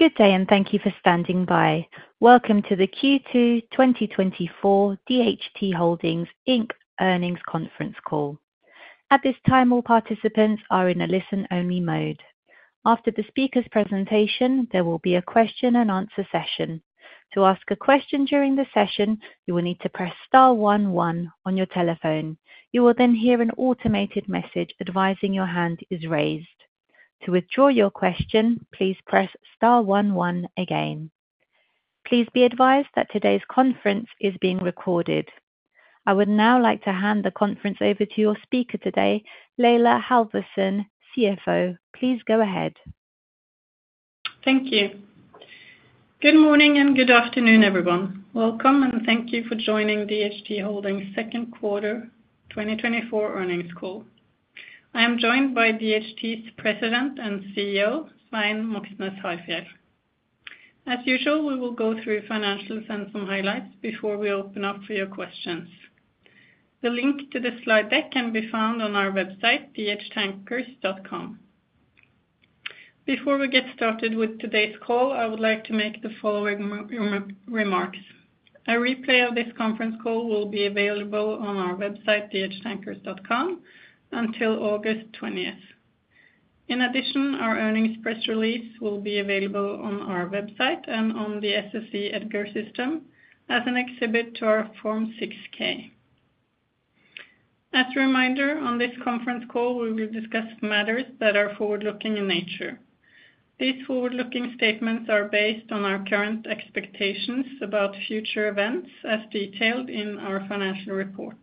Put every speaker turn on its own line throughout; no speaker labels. Good day, and thank you for standing by. Welcome to the Q2 2024 DHT Holdings, Inc. Earnings Conference Call. At this time, all participants are in a listen-only mode. After the speaker's presentation, there will be a question and answer session. To ask a question during the session, you will need to press star one one on your telephone. You will then hear an automated message advising your hand is raised. To withdraw your question, please press star one one again. Please be advised that today's conference is being recorded. I would now like to hand the conference over to your speaker today, Laila Halvorsen, CFO. Please go ahead.
Thank you. Good morning, and good afternoon, everyone. Welcome, and thank you for joining DHT Holdings Q2 2024 Earnings Call. I am joined by DHT's President and CEO, Svein Moxnes Harfjeld. As usual, we will go through financials and some highlights before we open up for your questions. The link to the slide deck can be found on our website, dhttankers.com. Before we get started with today's call, I would like to make the following remarks. A replay of this conference call will be available on our website, dhttankers.com, until August 20. In addition, our earnings press release will be available on our website and on the SEC EDGAR System as an exhibit to our Form 6-K. As a reminder, on this conference call, we will discuss matters that are forward-looking in nature. These forward-looking statements are based on our current expectations about future events, as detailed in our financial report.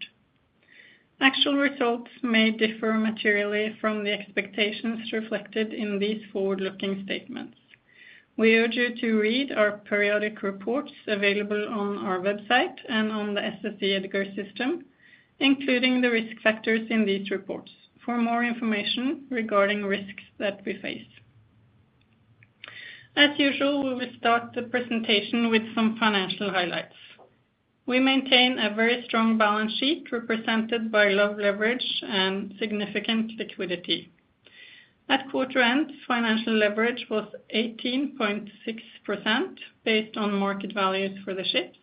Actual results may differ materially from the expectations reflected in these forward-looking statements. We urge you to read our periodic reports available on our website and on the SEC Edgar System, including the risk factors in these reports, for more information regarding risks that we face. As usual, we will start the presentation with some financial highlights. We maintain a very strong balance sheet, represented by low leverage and significant liquidity. At quarter end, financial leverage was 18.6%, based on market values for the ships,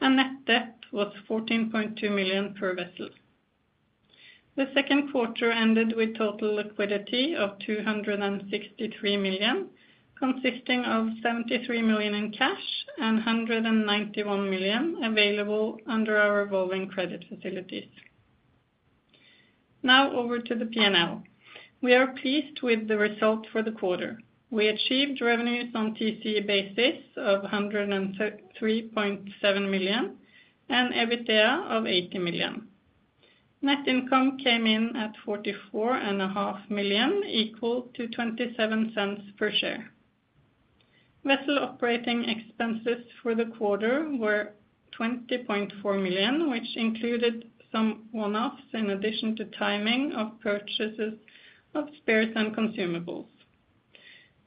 and net debt was $14.2 million per vessel. The Q2 ended with total liquidity of $263 million, consisting of $73 million in cash and $191 million available under our revolving credit facilities. Now over to the P&L. We are pleased with the results for the quarter. We achieved revenues on TCE basis of $133.7 million and EBITDA of $80 million. Net income came in at $44.5 million, equal to $0.27 per share. Vessel operating expenses for the quarter were $20.4 million, which included some one-offs, in addition to timing of purchases of spares and consumables.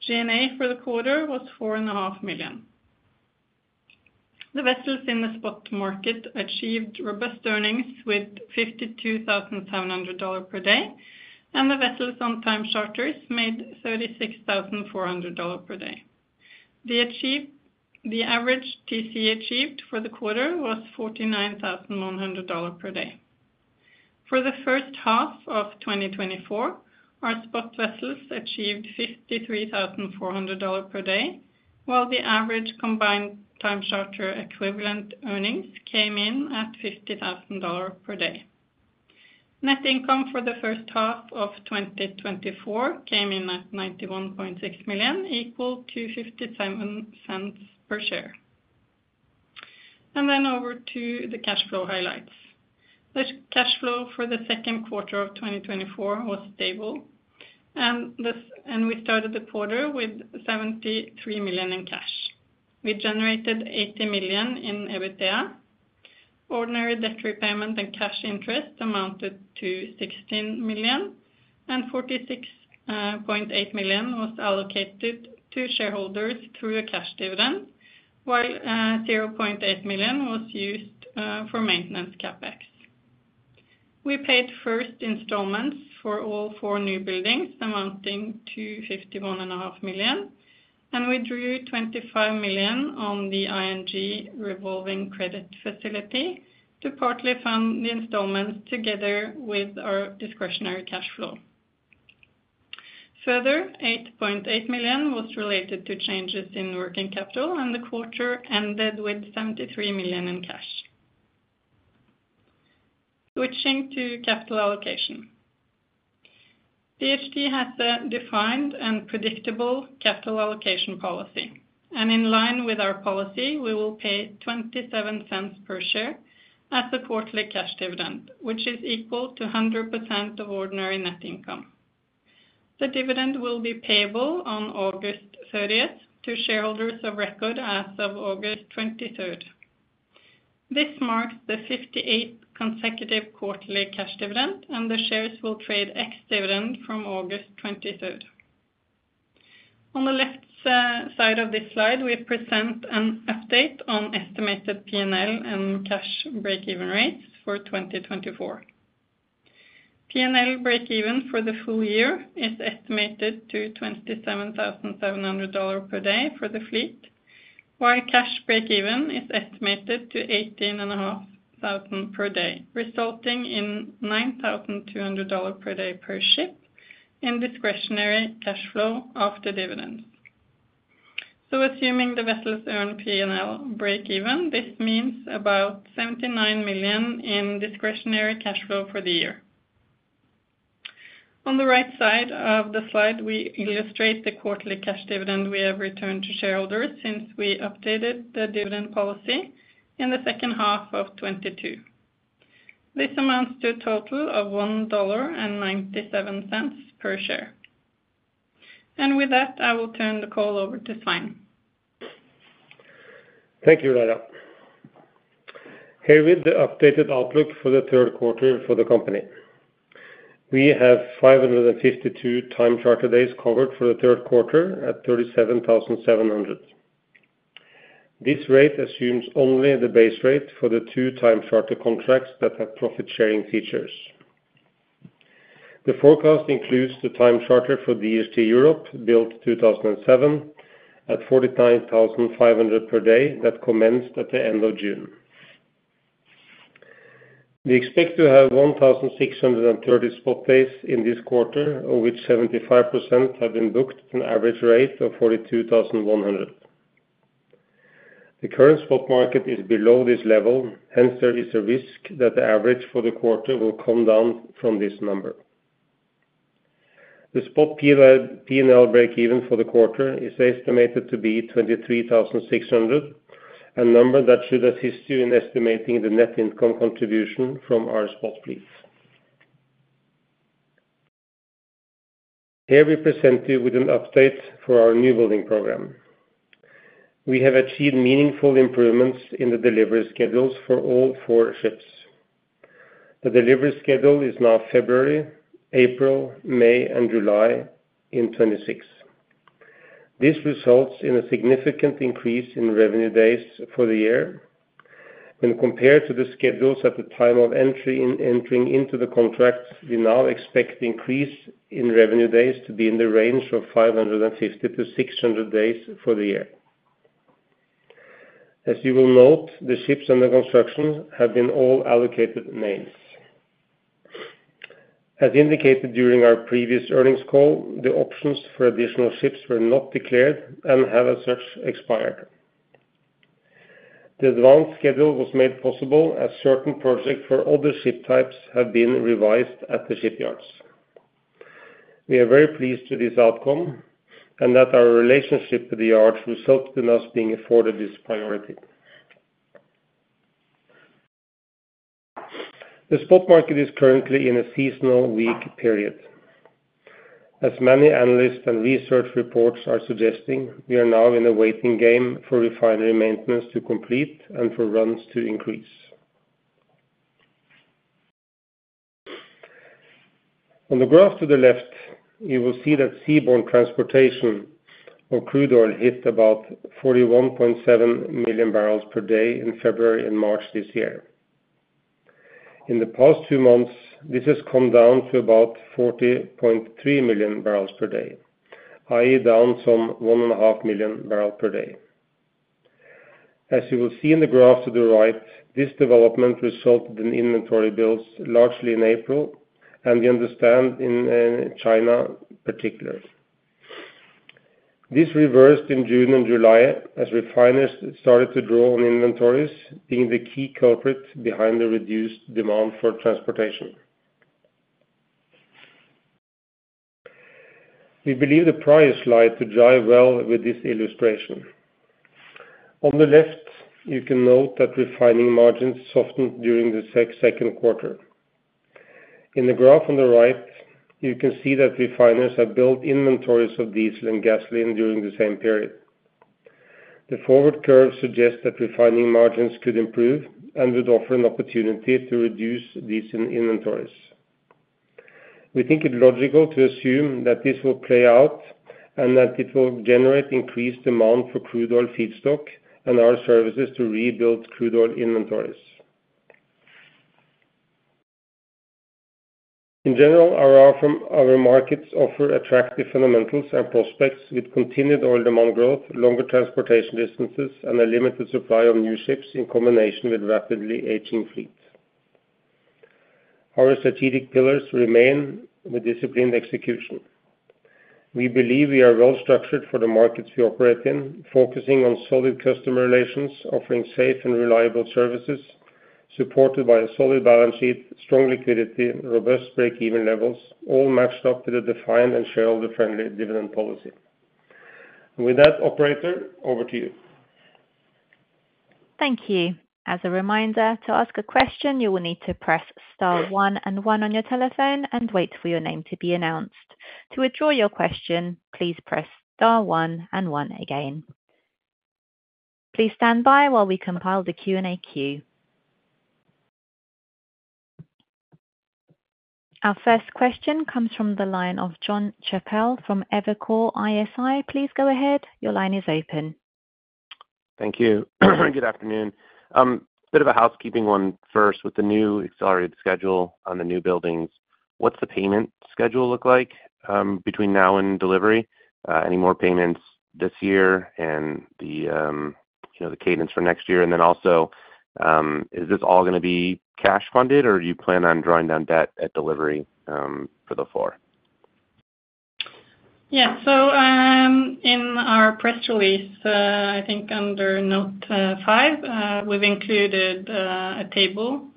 G&A for the quarter was $4.5 million. The vessels in the spot market achieved robust earnings with $52,700 per day, and the vessels on time charters made $36,400 per day. The average TCE achieved for the quarter was $49,100 per day. For H1 of 2024, our spot vessels achieved $53,400 per day, while the average combined time charter equivalent earnings came in at $50,000 per day. Net income for the first half of 2024 came in at $91.6 million, equal to 0.57 per share. Then over to the cash flow highlights. The cash flow for the Q2 of 2024 was stable, and we started the quarter with $73 million in cash. We generated $80 million in EBITDA. Ordinary debt repayment and cash interest amounted to $16 million, and 46.8 million was allocated to shareholders through a cash dividend, while $0.8 million was used for maintenance CapEx. We paid first installments for all four newbuildings, amounting to $51.5 million, and we drew $25 million on the ING revolving credit facility to partly fund the installments together with our discretionary cash flow. Further, $8.8 million was related to changes in working capital, and the quarter ended with $73 million in cash. Switching to capital allocation. DHT has a defined and predictable capital allocation policy, and in line with our policy, we will pay $0.27 per share as a quarterly cash dividend, which is equal to 100% of ordinary net income. The dividend will be payable on August 30 to shareholders of record as of August 23. This marks the 58 consecutive quarterly cash dividend, and the shares will trade ex-dividend from August 23. On the left side of this slide, we present an update on estimated P&L and cash breakeven rates for 2024. P&L breakeven for the full year is estimated to $27,700 per day for the fleet, while cash breakeven is estimated to $18,500 per day, resulting in 9,200 per day per ship in discretionary cash flow after dividends. So assuming the vessels earn P&L breakeven, this means about $79 million in discretionary cash flow for the year. On the right side of the slide, we illustrate the quarterly cash dividend we have returned to shareholders since we updated the dividend policy in the second half of 2022. This amounts to a total of $1.97 per share. And with that, I will turn the call over to Svein.
Thank you, Laila. Here with the updated outlook for the Q3 for the company. We have 552 time charter days covered for the Q3 at $37,700. This rate assumes only the base rate for the two time charter contracts that have profit-sharing features. The forecast includes the time charter for DHT Europe, built 2007, at $49,500 per day that commenced at the end of June. We expect to have 1,630 spot days in this quarter, of which 75% have been booked an average rate of $42,100. The current spot market is below this level; hence, there is a risk that the average for the quarter will come down from this number. The spot P&L, P&L breakeven for the quarter is estimated to be $23,600, a number that should assist you in estimating the net income contribution from our spot fleet. Here, we present you with an update for our newbuilding program. We have achieved meaningful improvements in the delivery schedules for all four ships. The delivery schedule is now February, April, May, and July in 2026. This results in a significant increase in revenue days for the year. When compared to the schedules at the time of entry, in entering into the contract, we now expect the increase in revenue days to be in the range of 550-600 days for the year. As you will note, the ships under construction have been all allocated names. As indicated during our previous earnings call, the options for additional ships were not declared and have as such expired. The advanced schedule was made possible as certain projects for other ship types have been revised at the shipyards. We are very pleased with this outcome and that our relationship with the yard results in us being afforded this priority. The spot market is currently in a seasonal weak period. As many analysts and research reports are suggesting, we are now in a waiting game for refinery maintenance to complete and for runs to increase. On the graph to the left, you will see that seaborne transportation of crude oil hit about 41.7 million barrels per day in February and March this year. In the past two months, this has come down to about 40.3 million barrels per day, i.e., down some 1.5 million barrels per day. As you will see in the graph to the right, this development resulted in inventory builds largely in April, and we understand in China, particularly. This reversed in June and July, as refiners started to draw on inventories, being the key culprit behind the reduced demand for transportation. We believe the prior slide to jibe well with this illustration. On the left, you can note that refining margins softened during Q2. In the graph on the right, you can see that refiners have built inventories of diesel and gasoline during the same period. The forward curve suggests that refining margins could improve and would offer an opportunity to reduce decent inventories. We think it logical to assume that this will play out and that it will generate increased demand for crude oil feedstock and our services to rebuild crude oil inventories. In general, our markets offer attractive fundamentals and prospects with continued oil demand growth, longer transportation distances, and a limited supply of new ships in combination with rapidly aging fleets. Our strategic pillars remain with disciplined execution. We believe we are well-structured for the markets we operate in, focusing on solid customer relations, offering safe and reliable services, supported by a solid balance sheet, strong liquidity, robust breakeven levels, all matched up to the defined and shareholder-friendly dividend policy. With that, operator, over to you.
Thank you. As a reminder, to ask a question, you will need to press star one and one on your telephone and wait for your name to be announced. To withdraw your question, please press star one and one again. Please stand by while we compile the Q&A queue. Our first question comes from the line of Jonathan Chappell from Evercore ISI. Please go ahead. Your line is open.
Thank you. Good afternoon. Bit of a housekeeping one first, with the new accelerated schedule on the new buildings, what's the payment schedule look like between now and delivery? Any more payments this year and the, you know, the cadence for next year? And then also, is this all gonna be cash funded, or do you plan on drawing down debt at delivery for the four?
Yeah. So, in our press release, I think under note five, we've included a table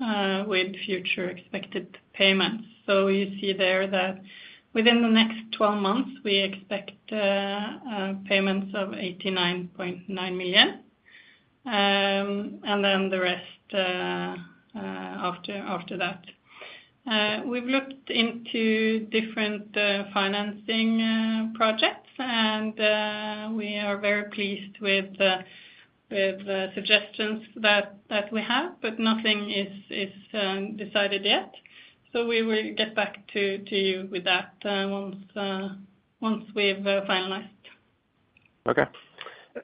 with future expected payments. So you see there that within the next 12 months, we expect payments of $89.9 million. And then the rest after that. We've looked into different financing projects, and we are very pleased with the suggestions that we have, but nothing is decided yet. So we will get back to you with that once we've finalized.
Okay.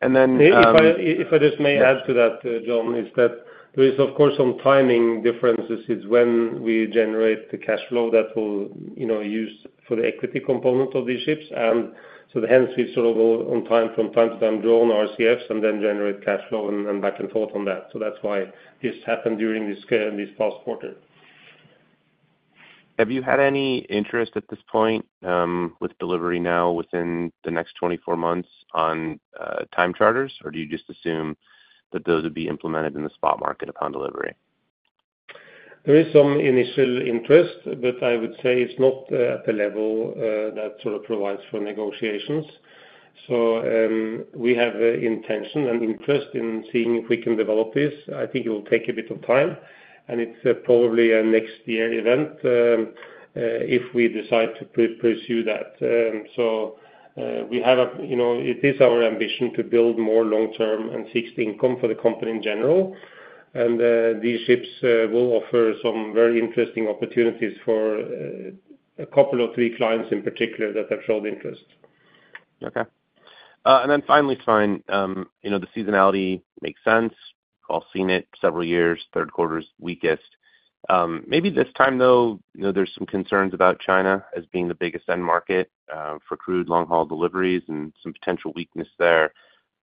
And then,
If I, if I just may add to that, Jon, is that there is, of course, some timing differences is when we generate the cash flow that will, you know, use for the equity component of these ships. And so hence, we sort of go on time, from time to time, draw on RCFs and then generate cash flow and, and back and forth on that. So that's why this happened during this past quarter.
Have you had any interest at this point, with delivery now within the next 24 months on time charters? Or do you just assume that those would be implemented in the spot market upon delivery?
There is some initial interest, but I would say it's not at the level that sort of provides for negotiations. So, we have intention and interest in seeing if we can develop this. I think it will take a bit of time, and it's probably a next year event, if we decide to pursue that. You know, it is our ambition to build more long-term and fixed income for the company in general. And, these ships will offer some very interesting opportunities for a couple of three clients in particular that have showed interest.
Okay. And then finally, Svein, you know, the seasonality makes sense. I've seen it several years, Q3's weakest. Maybe this time, though, you know, there's some concerns about China as being the biggest end market, for crude long-haul deliveries and some potential weakness there.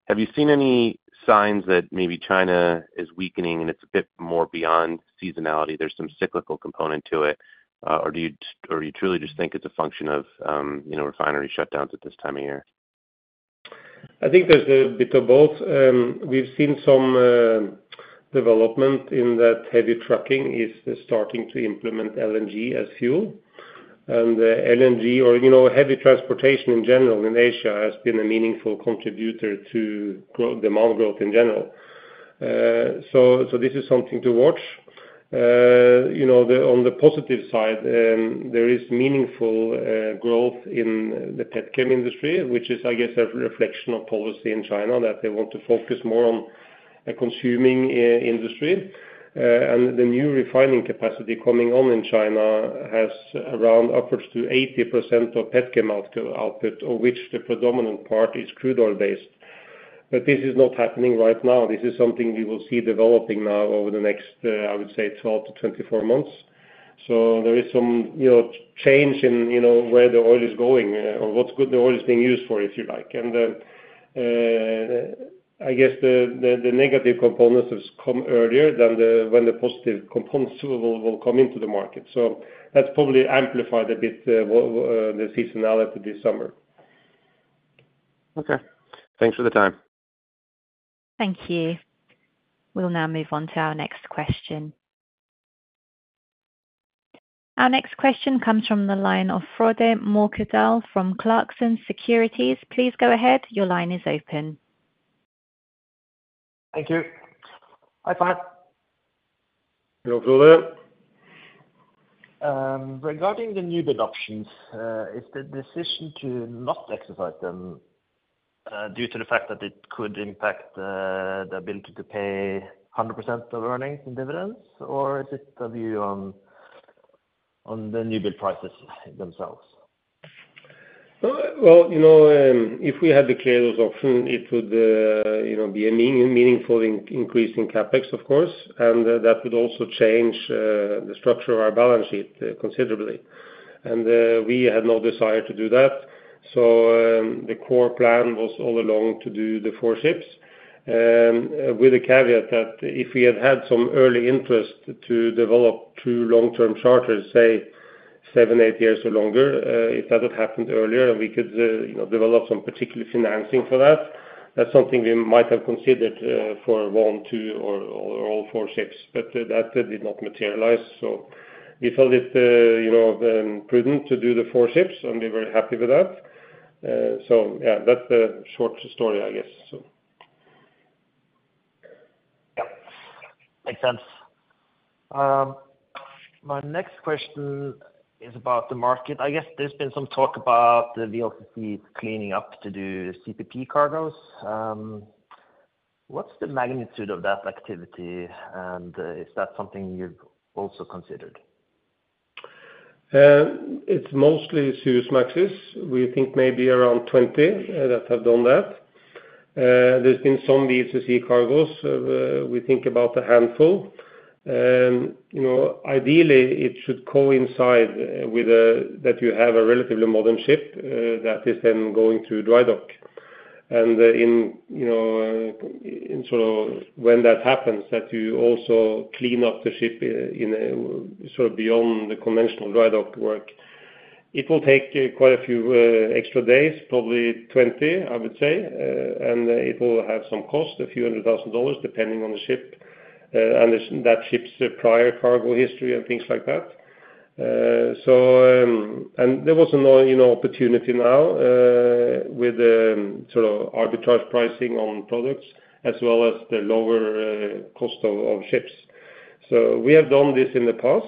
Have you seen any signs that maybe China is weakening, and it's a bit more beyond seasonality, there's some cyclical component to it? Or do you or you truly just think it's a function of, you know, refinery shutdowns at this time of year?
I think there's a bit of both. We've seen some development in that heavy trucking is starting to implement LNG as fuel. And LNG or, you know, heavy transportation in general in Asia, has been a meaningful contributor to demand growth in general. So this is something to watch. You know, on the positive side, there is meaningful growth in the petchem industry, which is, I guess, a reflection of policy in China, that they want to focus more on a consuming industry. And the new refining capacity coming on in China has around upwards to 80% of petchem output, of which the predominant part is crude oil based. But this is not happening right now. This is something we will see developing now over the next, I would say, 12-24 months. So there is some, you know, change in, you know, where the oil is going or what good the oil is being used for, if you like. And I guess the negative components has come earlier than when the positive components will come into the market. So that's probably amplified a bit, the seasonality this summer.
Okay. Thanks for the time.
Thank you. We'll now move on to our next question. Our next question comes from the line of Frode Mørkedal from Clarksons Securities. Please go ahead. Your line is open.
Thank you. Hi, Svein.
Hello, Frode.
Regarding the newbuild options, is the decision to not exercise them due to the fact that it could impact the ability to pay 100% of earnings and dividends? Or is it a view on the newbuild prices themselves?
Well, you know, if we had to clear those options, it would, you know, be a meaningful increase in CapEx, of course, and that would also change the structure of our balance sheet considerably. We had no desire to do that, so the core plan was all along to do the four ships, with the caveat that if we had some early interest to develop two long-term charters, say seven, eight years or longer, if that had happened earlier, and we could, you know, develop some particular financing for that, that's something we might have considered, for one, two or all four ships. But that did not materialize, so we felt it, you know, prudent to do the four ships, and we're very happy with that. Yeah, that's the short story, I guess, so.
Yeah, makes sense. My next question is about the market. I guess there's been some talk about the VLCC cleaning up to do CPP cargos. What's the magnitude of that activity, and is that something you've also considered?
It's mostly Suezmaxes. We think maybe around 20 that have done that. There's been some VLCC cargoes, we think about a handful. You know, ideally, it should coincide with that you have a relatively modern ship that is then going through dry dock. In, you know, in sort of when that happens, that you also clean up the ship, in a sort of beyond the conventional dry dock work. It will take quite a few extra days, probably 20, I would say, and it will have some cost, a few hundred thousand dollars, depending on the ship and that ship's prior cargo history and things like that. There was no, you know, opportunity now, with the sort of arbitrage pricing on products, as well as the lower cost of ships. So we have done this in the past.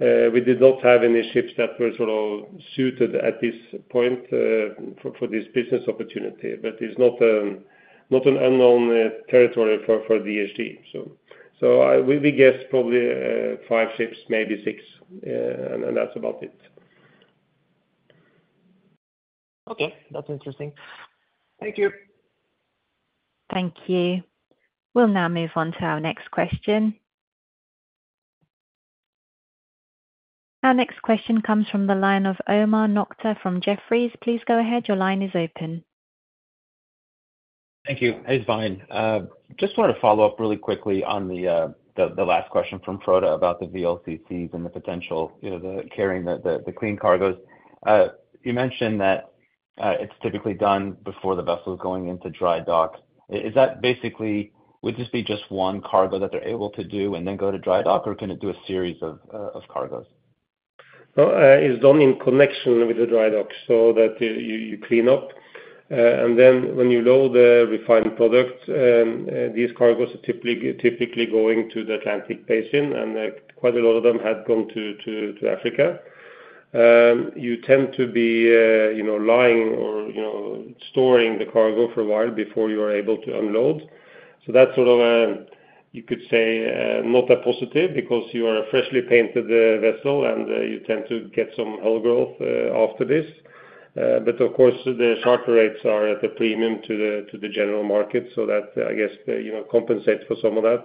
We did not have any ships that were sort of suited at this point, for this business opportunity, but it's not an unknown territory for DHT. We guess probably five ships, maybe six, and that's about it.
Okay, that's interesting. Thank you.
Thank you. We'll now move on to our next question. Our next question comes from the line of Omar Nokta from Jefferies. Please go ahead. Your line is open.
Thank you. Hey, Svein. Just wanted to follow up really quickly on the last question from Frode about the VLCCs and the potential, you know, carrying the clean cargoes. You mentioned that it's typically done before the vessel is going into dry dock. Is that basically, would this be just one cargo that they're able to do and then go to dry dock, or can it do a series of cargoes?
Well, it's done in connection with the dry dock, so that you clean up, and then when you load the refined products, these cargoes are typically going to the Atlantic Basin, and quite a lot of them have gone to Africa. You tend to be, you know, lying or, you know, storing the cargo for a while before you are able to unload. So that's sort of a, you could say, not a positive because you are a freshly painted vessel, and you tend to get some hull growth after this. But of course, the charter rates are at a premium to the general market, so that, I guess, you know, compensates for some of that.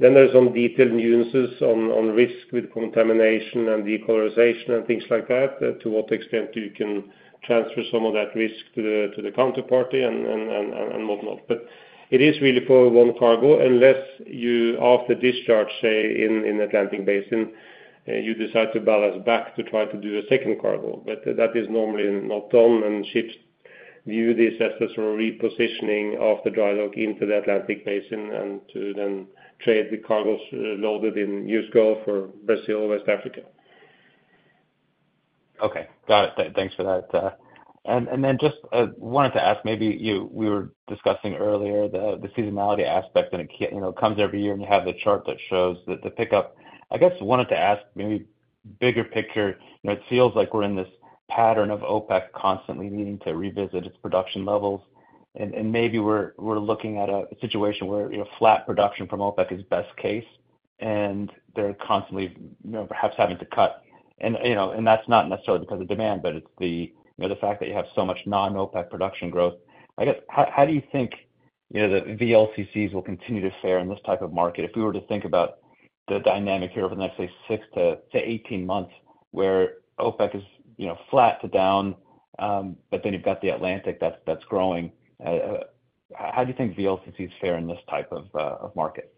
Then there's some detailed nuances on risk with contamination and decolorization and things like that, to what extent you can transfer some of that risk to the counterparty and whatnot. But it is really for one cargo, unless you, after discharge, say, in Atlantic Basin, you decide to ballast back to try to do a second cargo. But that is normally not done, and ships view this as a sort of repositioning of the dry dock into the Atlantic Basin, and to then trade the cargoes loaded in U.S. Gulf or Brazil, West Africa.
Okay, got it. Thanks for that. And then just wanted to ask, maybe you—we were discussing earlier the seasonality aspect, and it, you know, it comes every year, and you have the chart that shows the pickup. I guess I wanted to ask, maybe bigger picture, you know, it feels like we're in this pattern of OPEC constantly needing to revisit its production levels. And maybe we're looking at a situation where, you know, flat production from OPEC is best case, and they're constantly, you know, perhaps having to cut. And, you know, that's not necessarily because of demand, but it's the, you know, the fact that you have so much non-OPEC production growth. I guess how do you think, you know, the VLCCs will continue to fare in this type of market? If we were to think about the dynamic here over the next, say, six to 18 months, where OPEC is, you know, flat to down, but then you've got the Atlantic that's growing, how do you think VLCCs fare in this type of market?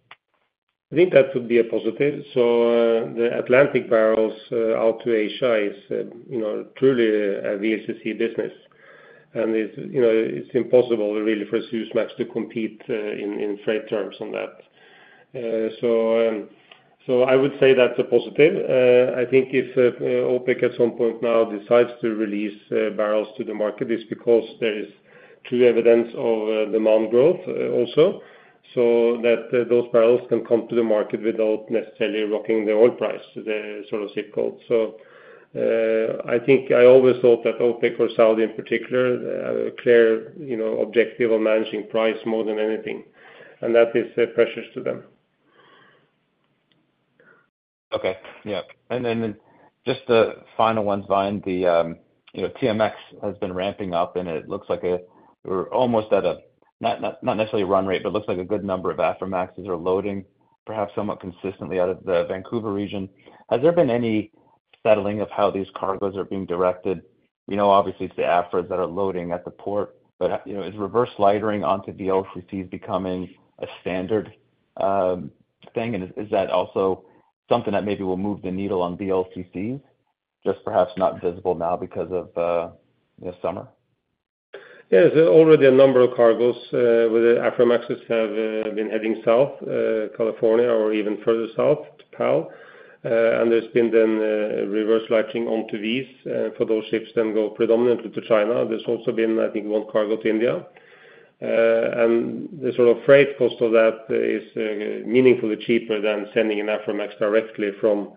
I think that would be a positive. So, the Atlantic barrels out to Asia is, you know, truly a VLCC business. And it's, you know, it's impossible really for Suezmax to compete in freight terms on that. So, so I would say that's a positive. I think if OPEC at some point now decides to release barrels to the market, it's because there is clear evidence of demand growth also, so that those barrels can come to the market without necessarily rocking the oil price, the sort of status quo. So, I think I always thought that OPEC or Saudi in particular clear, you know, objective of managing price more than anything, and that is precious to them.
Okay. Yeah, and then just a final one, Svein. The, you know, TMX has been ramping up, and it looks like we're almost at a not necessarily a run rate, but it looks like a good number of Aframaxes are loading perhaps somewhat consistently out of the Vancouver region. Has there been any settling of how these cargoes are being directed? We know obviously it's the Afras that are loading at the port, but, you know, is reverse lightering onto VLCCs becoming a standard thing? And is that also something that maybe will move the needle on VLCCs, just perhaps not visible now because of, you know, summer?
Yes, there's already a number of cargoes where the Aframaxes have been heading south, California or even further south to PAL. And there's been then reverse lightering onto these, for those ships then go predominantly to China. There's also been, I think, one cargo to India. And the sort of freight cost of that is meaningfully cheaper than sending an Aframax directly from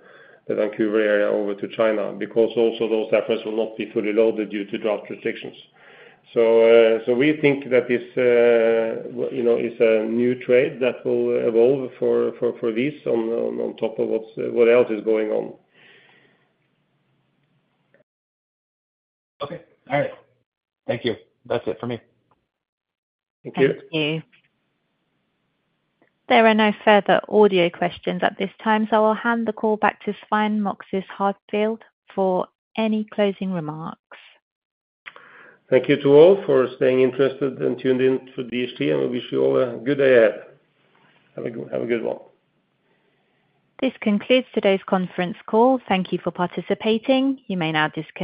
the Vancouver area over to China, because also those Aframaxes will not be fully loaded due to draft restrictions. So, so we think that this, you know, is a new trade that will evolve for these on top of what's what else is going on.
Okay. All right. Thank you. That's it for me.
Thank you.
Thank you. There are no further audio questions at this time, so I'll hand the call back to Svein Moxnes Harfjeld for any closing remarks.
Thank you to all for staying interested and tuned in to DHT, and we wish you all a good day ahead. Have a good one.
This concludes today's conference call. Thank you for participating. You may now disconnect.